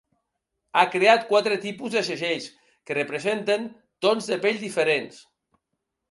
Ha creat quatre tipus de segells que representen tons de pell diferents.